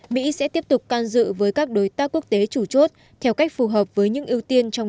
mỹ sẽ tiếp tục can dự với các đối tác quốc tế chủ chốt theo cách phù hợp với những ưu tiên trong